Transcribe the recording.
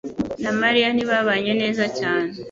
na Mariya ntibabanye neza cyane